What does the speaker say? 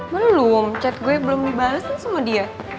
belum chat gue belum dibalesin sama dia